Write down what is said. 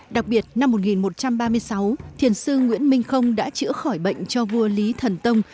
đặc biệt năm một nghìn một trăm ba mươi sáu thiền sư nguyễn minh không đã chữa khỏi bệnh cho vua lý thần tông